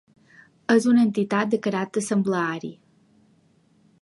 És una entitat de caràcter assembleari.